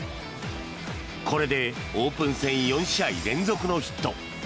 これでオープン戦４試合連続のヒット。